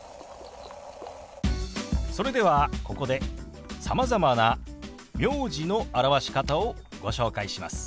それではここでさまざまな名字の表し方をご紹介します。